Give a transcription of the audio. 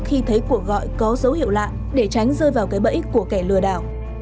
khi thấy cuộc gọi có dấu hiệu lạ để tránh rơi vào cái bẫy của kẻ lừa đảo